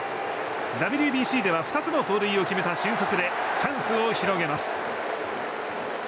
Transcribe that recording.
ＷＢＣでは２つの盗塁を決めた俊足でチャンスを広げます。